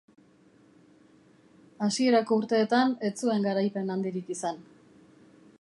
Hasierako urteetan ez zuen garaipen handirik izan.